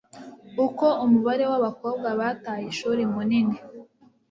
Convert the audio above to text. uko umubare w abakobwa bataye ishuri munini